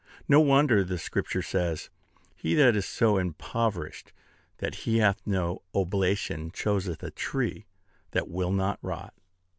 No wonder the Scripture says, "He that is so impoverished that he hath no oblation chooseth a tree that will not rot."